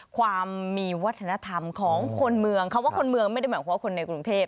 ความมีวัฒนธรรมของคนเมืองคำว่าคนเมืองไม่ได้หมายความว่าคนในกรุงเทพ